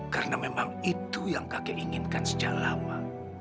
karena memang itu yang kek inginkan sejak lama